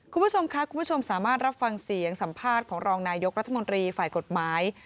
คุณผู้ชมค่ะคุณผู้ชมสามารถรับฟังเสียงสัมภาษณ์ของรองนายกรัฐมนตรีฝ่ายกฎหมาย